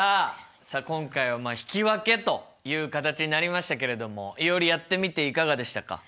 さあ今回は引き分けという形になりましたけれどもいおりやってみていかがでしたか？